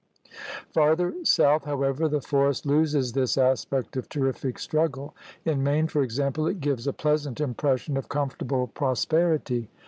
Farther south, however, the forest loses this aspect of terrific struggle. In Maine, for example, it gives a pleasant impression of comfortable prosperity.